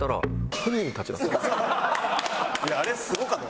いやあれすごかった。